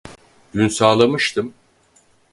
Dün sağlamıştım